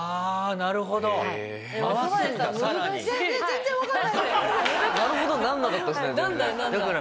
「なるほど」になんなかったですね